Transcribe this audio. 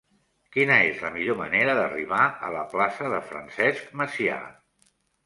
Quina és la millor manera d'arribar a la plaça de Francesc Macià?